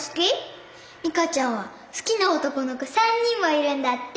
みかちゃんは好きな男の子３人もいるんだって。